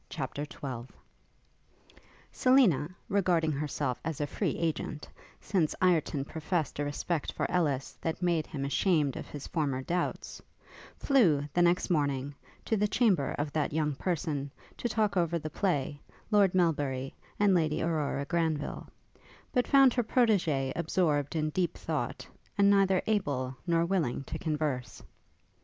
CHAPTER XII Selina, regarding herself as a free agent, since Ireton professed a respect for Ellis that made him ashamed of his former doubts, flew, the next morning, to the chamber of that young person, to talk over the play, Lord Melbury, and Lady Aurora Granville: but found her protégée absorbed in deep thought, and neither able nor willing to converse.